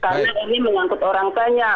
karena ini menyangkut orang banyak